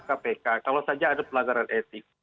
kpk kalau saja ada pelanggaran etik